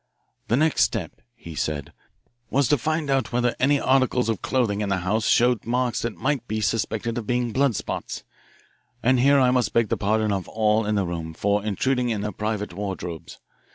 "The next step," he said, "was to find out whether any articles of clothing in the house showed marks that might be suspected of being blood spots. And here I must beg the pardon of all in the room for intruding in their private wardrobes.